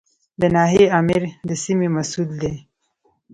د ناحیې آمر د سیمې مسوول دی